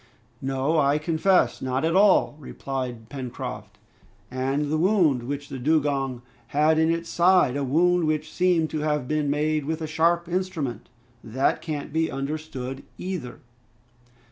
"No! I confess, not at all," replied Pencroft, "and the wound which the dugong had in its side, a wound which seemed to have been made with a sharp instrument; that can't be understood, either."